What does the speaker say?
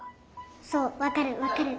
そうわかるわかる。